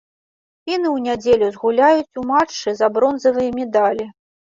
Фіны ў нядзелю згуляюць у матчы за бронзавыя медалі.